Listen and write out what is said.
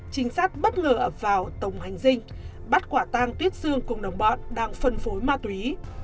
chính sát bất ngờ ập vào tổng hành dinh bắt quả tang tuyết sương cùng đồng bọn đang phân phối ma túy